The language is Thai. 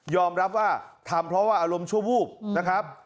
รับว่าทำเพราะว่าอารมณ์ชั่ววูบนะครับ